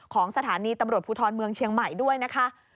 ของสถานีตำรวจภูทรเมืองเชียงใหม่ด้วยนะคะ